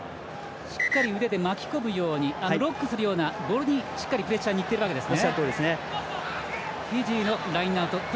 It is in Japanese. しっかり腕で巻き込むようロックするようにボールにしっかりプレッシャーにいってるわけですね。